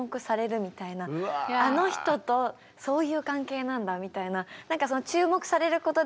あの人とそういう関係なんだみたいな。